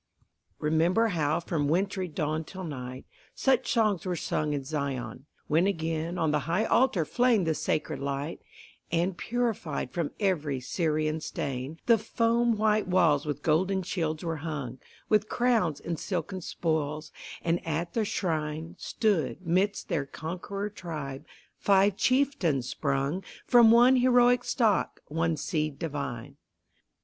Remember how from wintry dawn till night, Such songs were sung in Zion, when again On the high altar flamed the sacred light, And, purified from every Syrian stain, The foam white walls with golden shields were hung, With crowns and silken spoils, and at the shrine, Stood, midst their conqueror tribe, five chieftains sprung From one heroic stock, one seed divine.